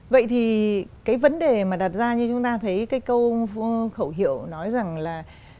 vậy thì cái vấn đề mà đặt ra như chúng ta thấy cái câu khẩu hiệu nói rằng là